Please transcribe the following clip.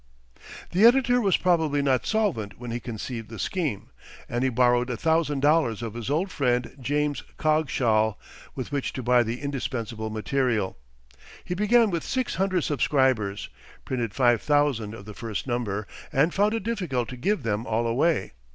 The editor was probably not solvent when he conceived the scheme, and he borrowed a thousand dollars of his old friend, James Coggeshall, with which to buy the indispensable material. He began with six hundred subscribers, printed five thousand of the first number, and found it difficult to give them all away.